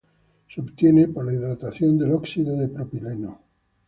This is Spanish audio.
Se obtiene por la hidratación del óxido de propileno.